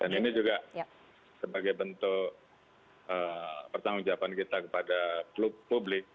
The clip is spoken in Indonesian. dan ini juga sebagai bentuk pertanggung jawaban kita kepada klub publik